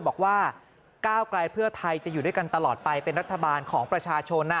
บอกว่าก้าวไกลเพื่อไทยจะอยู่ด้วยกันตลอดไปเป็นรัฐบาลของประชาชน